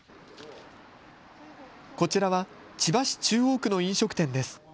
こちらは千葉市中央区の飲食店です。